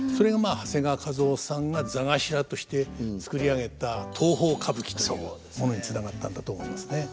長谷川一夫さんが座頭として作り上げた東宝歌舞伎というものにつながったんだと思いますね。